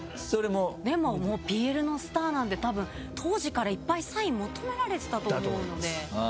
でもＰＬのスターなんでたぶん当時からいっぱいサイン求められてたと思うので。